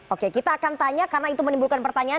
oke kita akan tanya karena itu menimbulkan pertanyaan